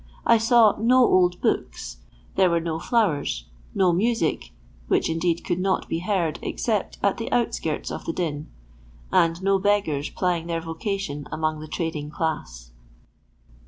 I saw no old books. There were no flowers ; no music, which indeed could not be heard except at the outskirts of the din ; and no beggars plying their vocation among the trading class.